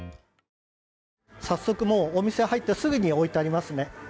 早速、お店に入ってすぐに置いてありますね。